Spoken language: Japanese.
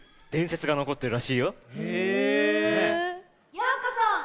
・ようこそ！